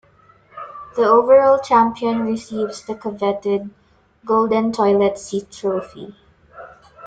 The overall champion receives the coveted Golden Toilet Seat Trophy.